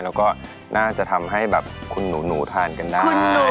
แล้วก็น่าจะทำให้แบบคุณหนูทานกันได้